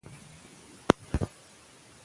شاه شجاع د دې خبرې پروا نه کوله.